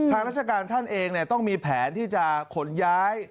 ราชการท่านเองต้องมีแผนที่จะขนย้าย